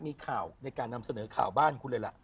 มีข่าวในการนำเสนอข่าวบ้านคุณเลยล่ะ